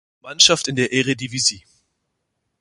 Mannschaft in der Eredivisie.